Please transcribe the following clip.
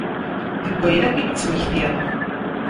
Deg wayen akk i d-ttmektiɣ.